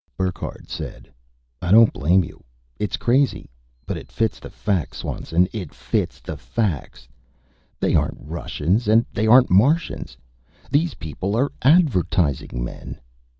Burckhardt said, "I don't blame you. It's crazy, but it fits the facts, Swanson, it fits the facts. They aren't Russians and they aren't Martians. These people are advertising men!